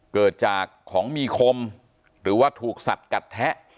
เกิดจากของมีคมหรือว่าถูกสัดกัดแทะ